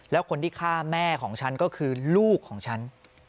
แล้วคนที่ฆ่าแม่ของฉันก็คือลูกของฉัน